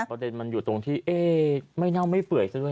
ประเด็นมันอยู่ตรงที่เอ๊ะไม่เน่าไม่เปื่อยซะด้วย